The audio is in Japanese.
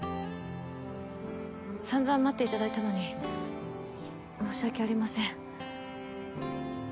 散々待っていただいたのに申し訳ありません。